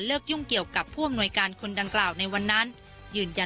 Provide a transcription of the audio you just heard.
และก็ไม่ได้ยัดเยียดให้ทางครูส้มเซ็นสัญญา